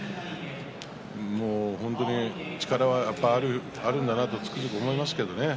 力はあるんだなとつくづく思いますけどね。